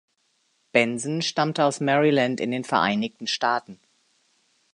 Benson stammte aus Maryland in den Vereinigten Staaten.